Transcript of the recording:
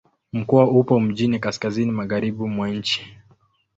Mkoa upo mjini kaskazini-magharibi mwa nchi.